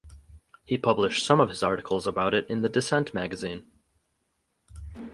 He published some of his articles about it in the Dissent Magazine.